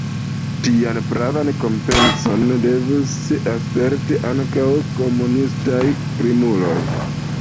Tian pravan kompenson devus sperti ankaŭ komunistaj krimuloj.